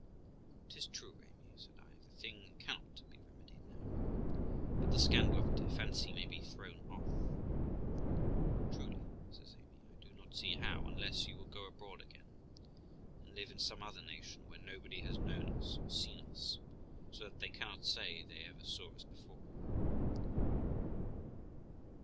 'Tis true, Amy', said I, 'the thing cannot be remedied now, but the scandal of it, I fancy, may be thrown off.' 'Truly', says Amy, 'I do not see how, unless you will go abroad again, and live in some other nation where nobody has known us or seen us, so that they cannot say they ever saw us before.'